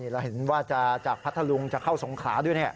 เราเห็นว่าจะจากพัทธลุงจะเข้าสงขลาด้วย